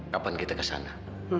kapan kita kesana